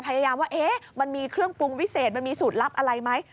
พยายามว่ามันมีเครื่องปรุงวิเศษมันมีสูตรลับอะไรไหม